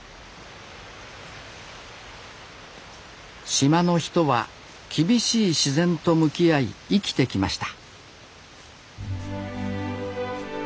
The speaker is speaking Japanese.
島の人は厳しい自然と向き合い生きてきました